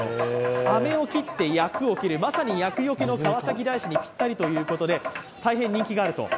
飴を切って厄を切る、川崎大師にぴったりということで大変人気があると。